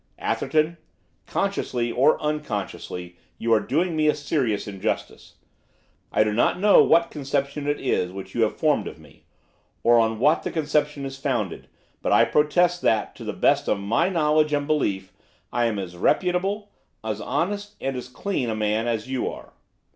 'Atherton, consciously, or unconsciously, you are doing me a serious injustice. I do not know what conception it is which you have formed of me, or on what the conception is founded, but I protest that, to the best of my knowledge and belief, I am as reputable, as honest, and as clean a man as you are.